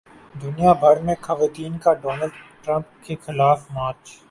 دنیا بھر میں خواتین کا ڈونلڈ ٹرمپ کے خلاف مارچ